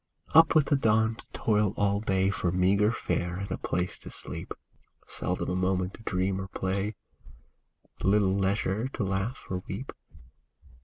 Up with the dawn to toil all day For meagre fare and a place to sleep ; Seldom a moment to dream or play, Little leisure to laugh or weep.